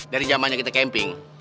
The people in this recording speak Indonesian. dari zamannya kita camping